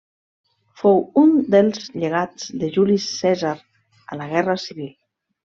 Fou un dels llegats de Juli Cèsar a la guerra civil.